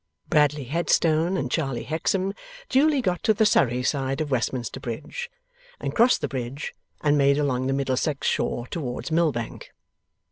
Bradley Headstone and Charley Hexam duly got to the Surrey side of Westminster Bridge, and crossed the bridge, and made along the Middlesex shore towards Millbank.